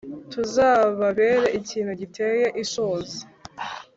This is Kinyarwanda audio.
tuzababere ikintu giteye ishozi.